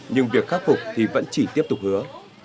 nhưng việc khắc phục thì vẫn chỉ tiếp tục hứa